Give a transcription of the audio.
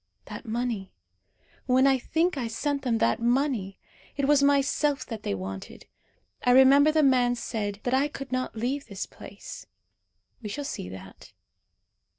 That money. When I think I sent them that money! It was myself that they wanted. I remember the man said that I could not leave this place. We shall see that.